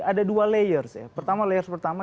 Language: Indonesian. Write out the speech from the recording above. ada dua layers ya pertama layer pertama